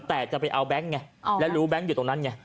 แต่จะไปเอาแก๊งไงแล้วรู้แก๊งอยู่ตรงนั้นไง